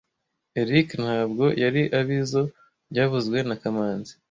Eric ntabwo yari abizo byavuzwe na kamanzi